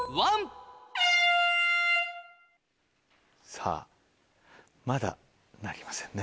さぁまだ鳴りませんね。